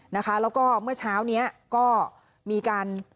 แล้วก็เมื่อเช้านี้ก็มีการ